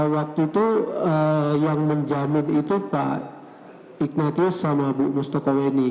waktu itu yang menjamin itu pak ignatius sama bu mustoko weni